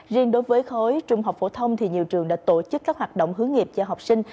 riêng đối với khối trung học phổ thông thì nhiều trường đã tổ chức các hoạt động hướng nghiệp cho học sinh